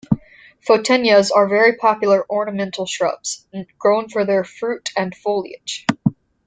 Photinias are very popular ornamental shrubs, grown for their fruit and foliage.